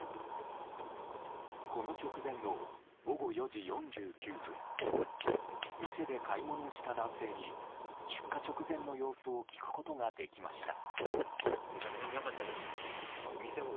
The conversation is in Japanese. この直前の午後４時４９分店で買い物をした男性に出火直前の様子を聞くことができました。